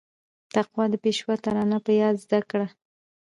تقوا د پيشو ترانه په ياد زده کړيده.